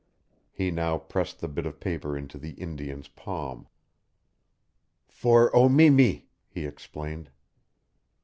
He now pressed the bit of paper into the Indian's palm. "For O mi mi," he explained.